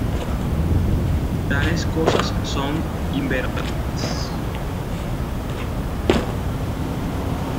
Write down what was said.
Tales cosas son inverosímiles.